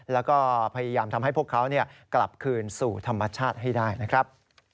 แล้วก็พยายามทำให้พวกเขากลับคืนสู่ธรรมชาติให้ได้นะครับ